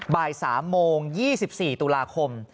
บ่าย๓โมง๒๔ตุลาคม